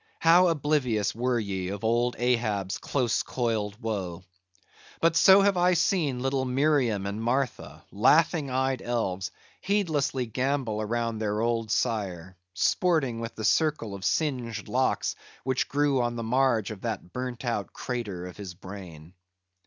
how oblivious were ye of old Ahab's close coiled woe! But so have I seen little Miriam and Martha, laughing eyed elves, heedlessly gambol around their old sire; sporting with the circle of singed locks which grew on the marge of that burnt out crater of his brain.